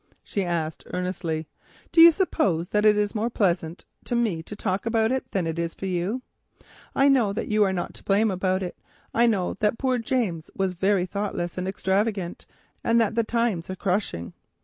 she asked earnestly. "Do you suppose that it is more pleasant to me to talk about it than it is for you? I know that you are not to blame about it. I know that dear James was very thoughtless and extravagant, and that the times are crushing.